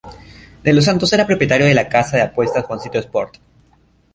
De los Santos era propietario de la casa de apuestas Juancito Sport.